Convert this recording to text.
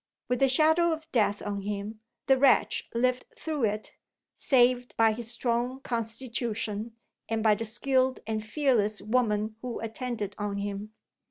With the shadow of death on him, the wretch lived through it saved by his strong constitution, and by the skilled and fearless woman who attended on him.